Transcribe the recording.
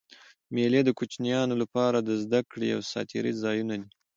مېلې د کوچنيانو له پاره د زدهکړي او ساتېري ځایونه دي.